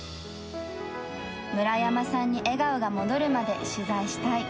村山さんに笑顔が戻るまで取材したい。